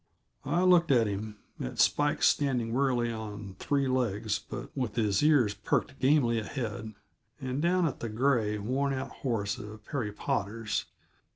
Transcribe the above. I looked at him, at Spikes standing wearily on three legs but with his ears perked gamily ahead, and down at the gray, worn out horse of Perry Potter's.